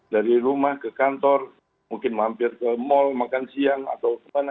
dari rumah ke kantor mungkin mampir ke mall makan siang atau kemana